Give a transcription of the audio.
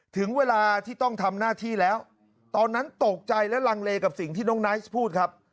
ถึงเวลาที่ต้องทำหน้าที่แล้วตอนนั้นตกใจและลังเลกับสิ่งที่น้องไนท์พูดครับ